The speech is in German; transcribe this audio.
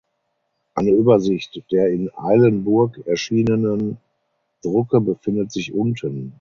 Eine Übersicht der in Eilenburg erschienen Drucke befindet sich unten.